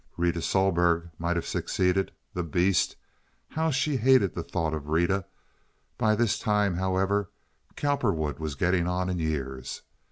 Rita Sohlberg might have succeeded—the beast! How she hated the thought of Rita! By this time, however, Cowperwood was getting on in years.